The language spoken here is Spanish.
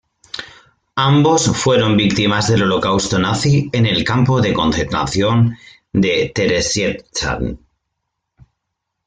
Ambos fueron víctimas del holocausto nazi en el campo de concentración de Theresienstadt.